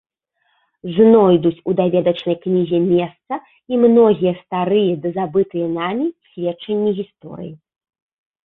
Знойдуць у даведачнай кнізе месца і многія старыя ды забытыя намі сведчанні гісторыі.